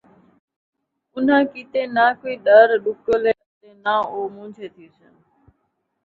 اُنھاں کیتے نہ کوئی ݙر ݙُکل ہے اَتے نہ او مُونجھے تِھیسن ۔